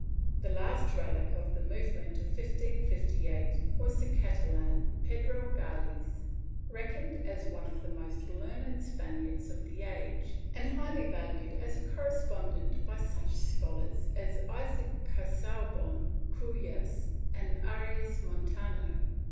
* The last relic of the movement of 1558 was the Catalan, Pedro Gales, reckoned as one of the most learned Spaniards of the age, and highly valued as a correspondent by such scholars as Isaac Casaubon, Cujas and Arias Montano.